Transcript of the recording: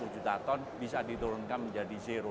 sembilan ratus dua puluh juta ton bisa diturunkan menjadi zero